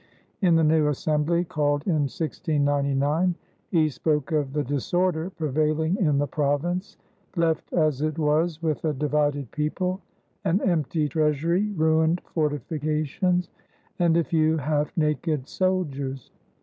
In the new Assembly called in 1699, he spoke of the disorder prevailing in the province, left as it was with a divided people, an empty treasury, ruined fortifications, and a few half naked soldiers.